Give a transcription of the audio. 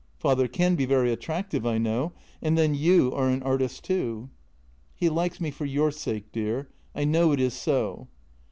" Father can be very attractive, I know — and then you are an artist, too." " He likes me for your sake, dear. I know it is so."